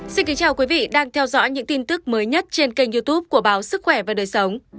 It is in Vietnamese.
xin kính chào quý vị đang theo dõi những tin tức mới nhất trên kênh youtube của báo sức khỏe và đời sống